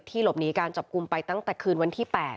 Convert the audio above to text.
หลบหนีการจับกลุ่มไปตั้งแต่คืนวันที่๘